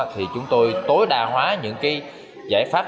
thì chúng tôi tối đa hóa những cái giải pháp